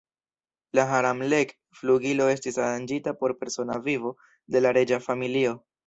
La "Haramlek"-flugilo estis aranĝita por persona vivo de la reĝa familio.